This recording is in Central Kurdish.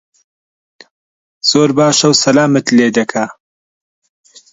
زۆر باشە و سەلامت لێ دەکا